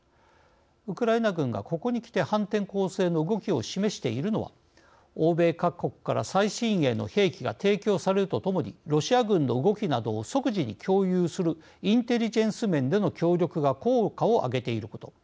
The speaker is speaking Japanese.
ウクライナ軍がここにきて反転攻勢の動きを示しているのは欧米各国から最新鋭の兵器が提供されるとともにロシア軍の動きなどを即時に共有するインテリジェンス面での協力が効果を上げていること。